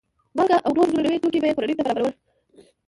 مالګه او نور ضروري توکي به یې کورنیو ته برابرول.